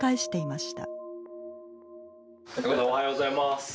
おはようございます。